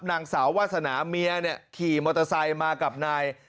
นางสาววาสนาเมียเนี่ยขี่มอเตอร์ไซค์มากับนาย